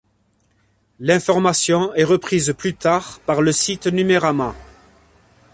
L'information est reprise plus tard par le site Numerama.